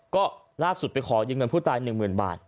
ก็ล่าสุดไปขอยืมเงินผู้ตาย๑๐๐๐บาท